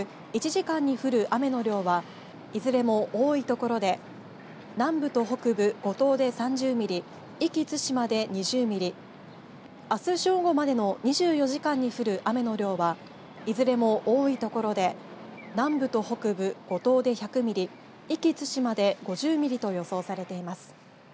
１時間に降る雨の量はいずれも多い所で南部と北部、五島で３０ミリ、壱岐・対馬で２０ミリ、あす正午までの２４時間に降る雨の量は、いずれも多い所で南部と北部、五島で１００ミリ、壱岐・対馬で５０ミリと予想されています。